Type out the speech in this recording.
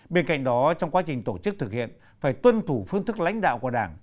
bên cạnh đó trong quá trình tổ chức thực hiện phải tuân thủ phương thức lãnh đạo của đảng